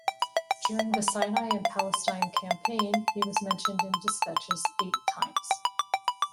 During the Sinai and Palestine Campaign he was mentioned in despatches eight times.